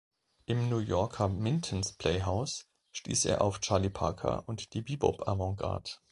Im New Yorker Minton’s Playhouse stieß er auf Charlie Parker und die Bebop-Avantgarde.